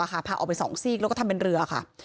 พาออกอ่ะค่ะพาออกไปสองซีกแล้วก็ทำเป็นเรือค่ะ